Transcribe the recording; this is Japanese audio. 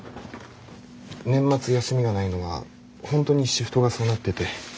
年末休みがないのは本当にシフトがそうなってて。